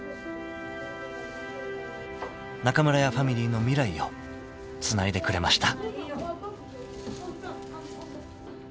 ［中村屋ファミリーの未来をつないでくれました］